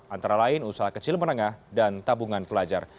antara lain usaha kecil menengah dan tabungan pelajar